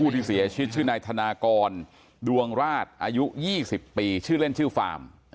ที่เสียชีวิตชื่อนายธนากรดวงราชอายุ๒๐ปีชื่อเล่นชื่อฟาร์ม